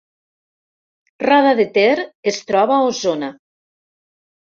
Roda de Ter es troba a Osona